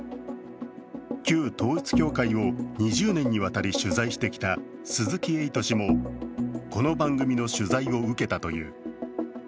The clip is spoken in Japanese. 旧統一教会を２０年にわたり取材してきた鈴木エイト氏もこの番組の取材を受けたという。